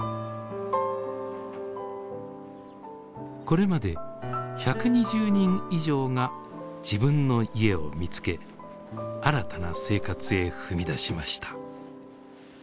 これまで１２０人以上が自分の家を見つけ新たな生活へ踏み出しました。